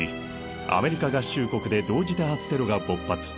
アメリカ合衆国で同時多発テロが勃発。